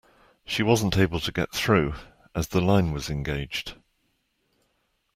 She wasn’t able to get through, as the line was engaged